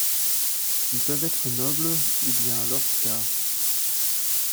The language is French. Ils peuvent être nobles, ou bien alors skaa.